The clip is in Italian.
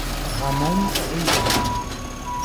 Ramón Rivas